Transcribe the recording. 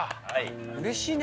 うれしいね。